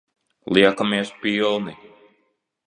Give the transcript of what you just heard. Liekamies pilni.